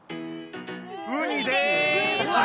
ウニです